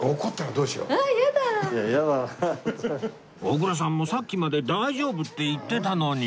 小倉さんもさっきまで大丈夫って言ってたのに